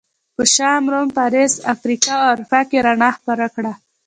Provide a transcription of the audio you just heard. په شام، روم، فارس، افریقا او اروپا کې رڼا خپره کړه.